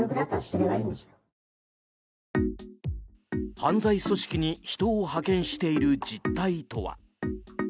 犯罪組織に人を派遣している実態とは。